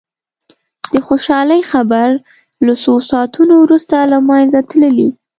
د خوشالي خبر له څو ساعتونو وروسته له منځه تللي.